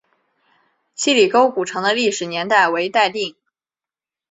希里沟古城的历史年代为待定。